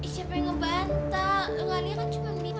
siapa yang ngebantai